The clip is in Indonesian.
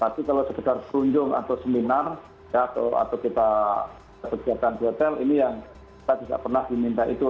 tapi kalau sebetulnya perunjung atau seminar ya atau kita pergi ke hotel ini yang tadi tidak pernah diminta itu